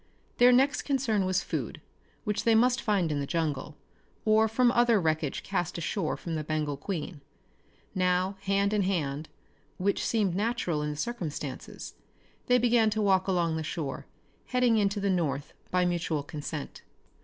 Their next concern was food, which they must find in the jungle, or from other wreckage cast ashore from the Bengal Queen. Now, hand in hand which seemed natural in the circumstances they began to walk along the shore, heading into the north by mutual consent.